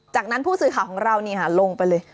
จากนั้นผู้สื่อข่าวของเราลงไปเลย